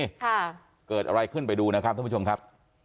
ค่ะเกิดอะไรขึ้นไปดูนะครับท่านผู้ชมครับ